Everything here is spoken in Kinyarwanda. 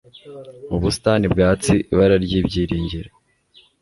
mu busitani bwatsi, ibara ryibyiringiro